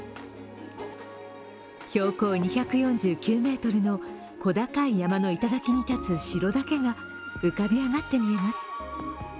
標高２４９ｍの小高い山の頂に立つ城だけが浮かび上がって見えます。